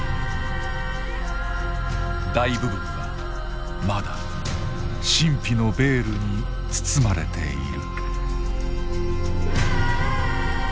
大部分はまだ神秘のベールに包まれている。